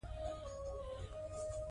مور د ماشومانو د واکسین په وختونو پوهیږي.